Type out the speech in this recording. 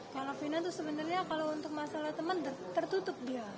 kalau vina itu sebenarnya kalau untuk masalah teman tertutup dia